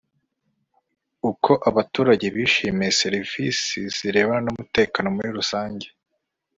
Uko abaturage bishimiye serivisi zirebana n umutekano muri rusange